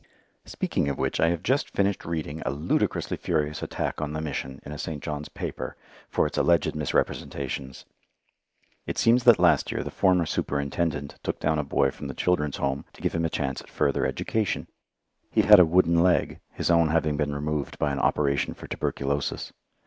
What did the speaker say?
Speaking of which I have just finished reading a ludicrously furious attack on the Mission in a St. John's paper, for its alleged misrepresentations. It seems that last year the former superintendent took down a boy from the Children's Home to give him a chance at further education. He had a wooden leg, his own having been removed by an operation for tuberculosis.